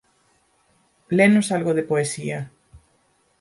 “Lenos algo de poesía”.